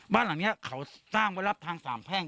บ้านหลังนี้เขาสร้างไว้รับทางสามแพ่ง